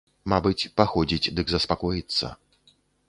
Мабыць, паходзіць, дык заспакоіцца.